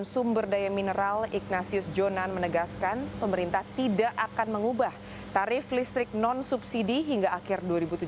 sumber daya mineral ignatius jonan menegaskan pemerintah tidak akan mengubah tarif listrik non subsidi hingga akhir dua ribu tujuh belas